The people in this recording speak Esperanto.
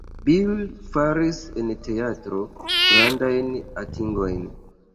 Bill faris en teatro grandajn atingojn.